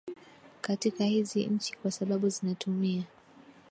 katika hizi nchi kwa sababu zinatumia